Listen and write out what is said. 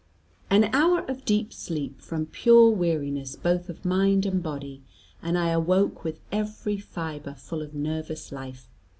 An hour of deep sleep from pure weariness both of mind and body, and I awoke with every fibre full of nervous life.